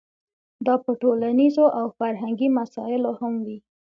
دا په ټولنیزو او فرهنګي مسایلو هم وي.